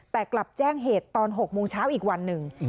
แต่กลับแจ้งเหตุตอน๖โมงเช้าอีกวันหนึ่ง